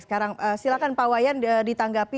sekarang silakan pak wayan ditanggapi